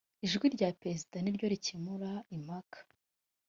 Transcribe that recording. ijwi rya perezida niryo rikemura impaka.